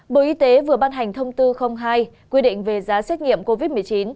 bộ y tế vừa ban hành thông tư hai quy định về giá xét nghiệm covid một mươi chín